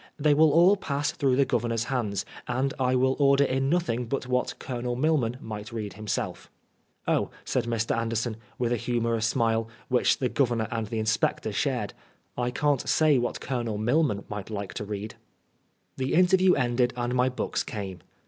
They will all pass through the Oovernor's hands, and I will order in nothing but what Colonel Milman might read himself." " Oh," said Mr. Anderson, with a humorous smile, which the Governor and the Inspector shared, " I can't say what Colonel Milman might like to read." A LONG NIGHT. 171 The interview ended and my books came.